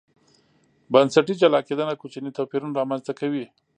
بنسټي جلا کېدنه کوچني توپیرونه رامنځته کوي.